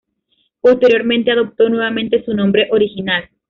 Posteriormente adoptó nuevamente su nombre original.